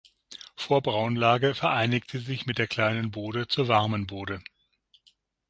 Vor Braunlage vereinigt sie sich mit der Kleinen Bode zur Warmen Bode.